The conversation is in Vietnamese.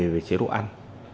về chế độ ăn